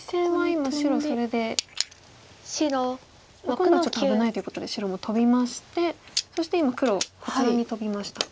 今度はちょっと危ないということで白もトビましてそして今黒こちらにトビました。